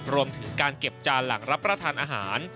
รวมถึงการเก็บจานหลังรับประทานอาหาร